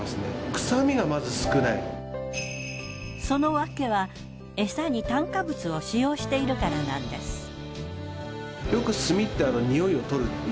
そのわけは餌に炭化物を使用しているからなんです。